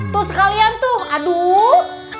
tuh sekalian tuh aduh